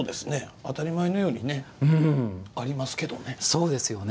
当たり前のようにありますけどね。